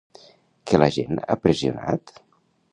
Que la gent ha pressionat?